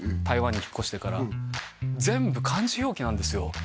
台湾に引っ越してから全部漢字表記なんですよ